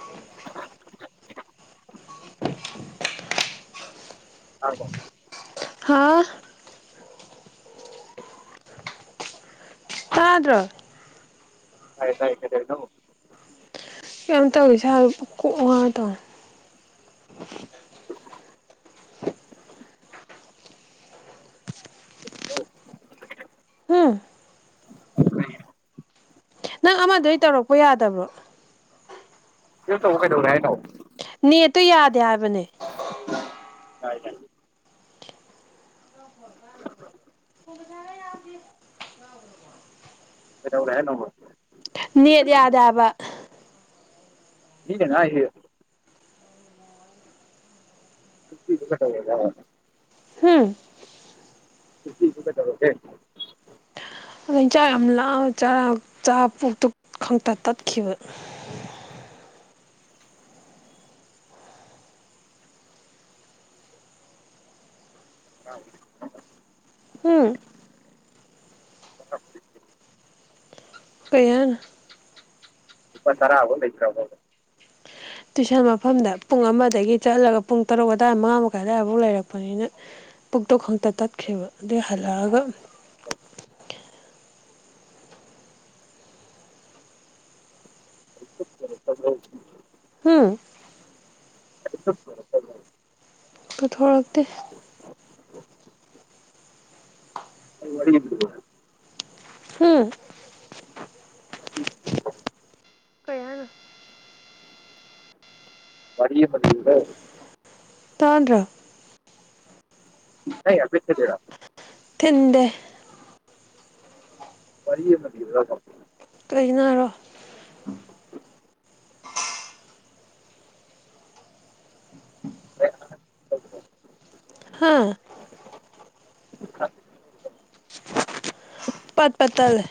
[unintelligible] [unintelligible] ꯑꯦ [unintelligible] ꯍꯥꯥ ꯇꯗꯔꫭ ꯇꯥꯏꯌ‌ꯣ ꯇꯥꯠ ꯌꯥꯝ ꯇꯧꯔꯤ ꯁꯥ ꯀꯣꯛ ꯋꯥ ꯇꯧ [unintelligible] ꯎꯝ ꯅꯪ ꯑꯃꯗꯩ ꯇꯧꯔꯛꯄ ꯌꯥꯗꯕꯔꫭ ꯁꯤꯗꯥ‌‌ ꯇꯧꯕꯥ ꯀꯩꯗꯧꯔ‌ꯦ ꯍꯥꯏꯅꫭ ꯅꯦꯠꯇꯨ ꯌꯥꯗꯦ ꯍꯥꯏꯕꯅꯦ ꯀꯩꯙꯧꯔ‌ꯦ ꯍꯥꯏꯅꫭꯕ ꯅꯦꯠ ꯌꯥꯗ‌ꯦ ꯍꯥꯏꯕ ꯃꯤꯅꯥꯉꯥꯡꯉꯤꯁꯤ [unintelligible] ꯍꯨꯝ ꯐꯤꯐꯇꯤꯗꯨ ꯀꯩꯗꯧꯔꯒꯦ ꯑꯗꯨ ꯆꯥꯛ ꯌꯥꯝ ꯂꯥꯝꯃ‌ꯦ ꯆꯔꯥ ꯆꯥ ꯄꯨꯛꯇꯨ ꯈꯛꯇ ꯇꯠꯈꯤꯕ [unintelligible] ꯑ [unintelligible] ꯍꯨꯡ ꯀꯩꯍꯥꯏꯅꫭ ꯂꯨꯄꯥ ꯇꯔꯥꯕꯨꯛ ꯂꯩꯇꯔꯥꯕꫭꯕ ꯇꯨꯏꯁꯟ ꯃꯐꯝꯗ ꯄꯨꯡ ꯑꯃꯗꯒꯤ ꯆꯠꯂꯒ ꯄꯨꯡ ꯇꯔꯨꯛ ꯑꯗꯥꯋꯥꯏ ꯃꯉꯥ ꯃꯈꯥꯏꯋꯥꯏꯐꯥꯎ ꯂꯩꯔꯛꯄꯅꯤꯅ ꯄꯨꯛꯇꯣ ꯈꯛꯇ ꯇꯠꯈꯦꯕ ꯑꯗꯨꯏ ꯍꯜꯂꯛꯑꯒ [unintelligible] ꯍꯨꯡ ꯄꯨꯊꯣꯔꯛꯇꯦ ꯑꯩ ꯋꯥꯔꯤ ꯑꯃ ꯂꯤꯌꯨꯔꯥ ꯍꯨꯡ ꯀꯩ ꯍꯥꯏꯅꯣ ꯃ ꯄꯜꯒ [unintelligible] ꯇꯥꯥꯗ꯭ꯔꫭ ꯅ ꯑ ꯊꯗꯔ [unintelligible] ꯊꯤꯟꯗ‌ꯦ ꯄꯔꯤ ꯃꯗꯤ [unintelligible] ꯀꯩꯅꫭ ꯍꯥꯏꯔꯛꯑꫭ ꯍꯥ [unintelligible] ꯄꯠ ꯄꯠꯇ ꯂꯩ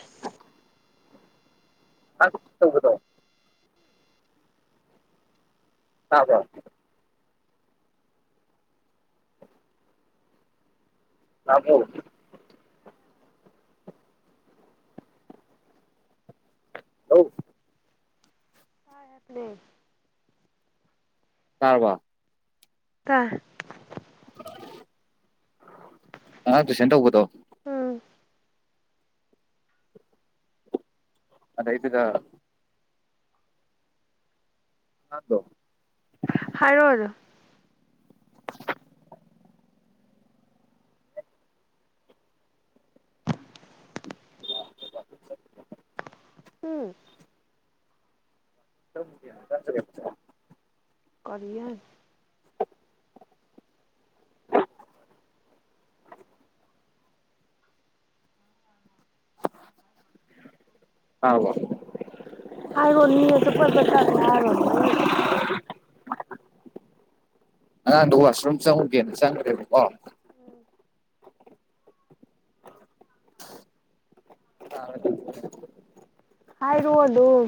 ꯑ ꯇꯗꯣ ꯑ ꯍ ꯑꯃꯣ ꯑ [unintelligible] ꯇꯥꯔꯔꯕ ꯑ ꯑ ꯇꯨꯁꯟ ꯇ ꯎꯧꯕꯗꯣ ꯎꯝ ꯑꯗꯥꯏꯗꯨꯗ ꯑꯗꯣ ꯐꯔꯜ ꯎꯝ ꯆꯖꯦ ꯀꯔꯤꯂꯤꯌꯥꯔ ꯑꯕ ꯍꯥꯏꯔꯣ ꯃꯤ ꯑꯁꯨꯄꯠꯄ ꯇꯠꯂ ꯍꯥꯏꯕ ꯃꯣꯏꯅ ꯑꯉꯥꯡꯗ ꯋꯥꯁꯔꯨꯝ ꯆꯪꯉꯨꯒꯦꯅ ꯆꯪꯈ꯭ꯔꯦꯕꯀꯣ ꯑ ꯍꯥꯏꯔꯛꯑꯣ ꯑꯗꯨꯝ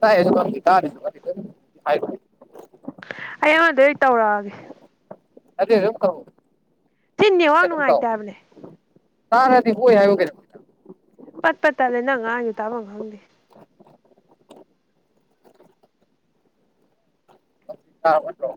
ꯇꯥꯏꯁꯨ ꯇꯅꯤꯁꯨ ꯍꯥꯏ ꯑꯩꯉꯣꯟꯗ ꯑꯩ ꯇꯧꯔꯛꯑꯒꯦ ꯑꯗꯦ ꯔꯝ ꯀ ꯊꯤꯅꯤ ꯋꯥꯅꯅꯨꯡꯉꯥꯏꯇꯕꯅꯦ ꯍꯥꯥ ꯅ ꯍꯣꯏ ꯍꯥꯏ ꯀꯦꯔꯦ ꯄꯠꯄꯠ ꯇꯠꯂꯦ ꯅꯪ ꯉꯥꯡꯁꯨ ꯇꯥꯐꯝ ꯈꯪꯗꯦ [unintelligible] ꯃꯠꯇꯣ